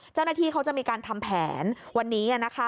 เจ้าหน้าที่เขาจะมีการทำแผนวันนี้